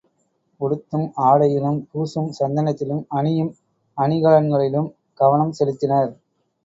உடுத்தும் ஆடையிலும், பூசும் சந்தனத்திலும், அணியும் அணிகலன்களிலும் கவனம் செலுத்தினர்.